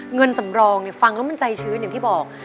เงินสำรองฟังแล้วมันใจชื้นอย่างที่บอก